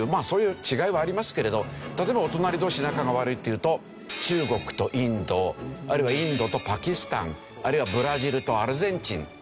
そういう違いはありますけれど例えばお隣同士仲が悪いっていうと中国とインドあるいはインドとパキスタンあるいはブラジルとアルゼンチン。